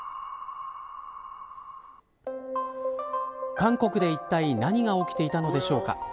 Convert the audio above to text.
韓国でいったい何が起きていたのでしょうか。